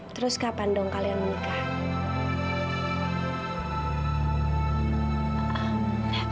terus kapan dong kalian menikah